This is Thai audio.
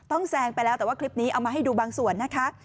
แซงไปแล้วแต่ว่าคลิปนี้เอามาให้ดูบางส่วนนะคะ